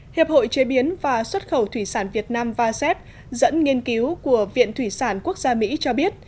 hiệp hội chế biến và xuất khẩu thủy sản việt nam vasep dẫn nghiên cứu của viện thủy sản quốc gia mỹ cho biết